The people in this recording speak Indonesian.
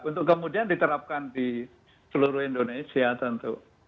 untuk kemudian diterapkan di seluruh indonesia tentu